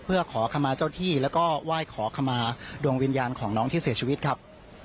เพื่อขอขมาเจ้าที่แล้วก็ไหว้ขอขมาดวงวิญญาณของน้องที่เสียชีวิตครับ